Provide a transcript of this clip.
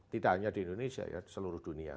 tidak hanya di indonesia ya seluruh dunia